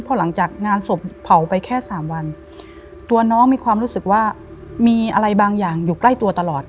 พอหลังจากงานศพเผาไปแค่สามวันตัวน้องมีความรู้สึกว่ามีอะไรบางอย่างอยู่ใกล้ตัวตลอด